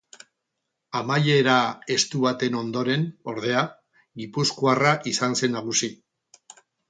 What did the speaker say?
Amaiera estu baten ondoren, ordea, gipuzkoarra izan zen nagusi.